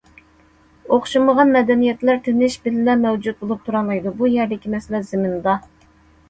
ئوخشىمىغان مەدەنىيەتلەر تىنچ بىللە مەۋجۇت بولۇپ تۇرالايدۇ، بۇ يەردىكى مەسىلە زېمىندا.